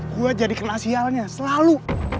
gue jadi kena sialnya selalu